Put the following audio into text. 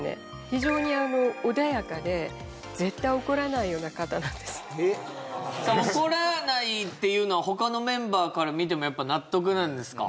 非常に穏やかで絶対怒らないような方なんです怒らないっていうのは他のメンバーから見ても納得なんですか？